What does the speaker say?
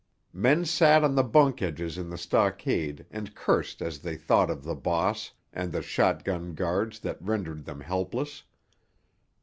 Men sat on the bunk edges in the stockade and cursed as they thought of the boss and the shotgun guards that rendered them helpless.